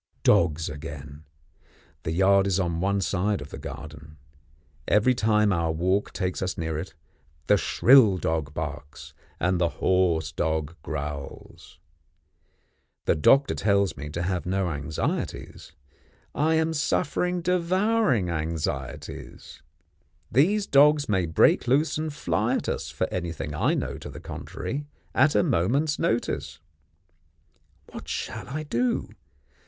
Dogs again. The yard is on one side of the garden. Every time our walk takes us near it, the shrill dog barks, and the hoarse dog growls. The doctor tells me to have no anxieties. I am suffering devouring anxieties. These dogs may break loose and fly at us, for anything I know to the contrary, at a moment's notice. What shall I do?